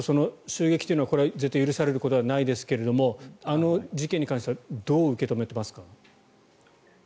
襲撃というのはこれは絶対に許されることではないですがあの事件に関してはどう受け止めていますか？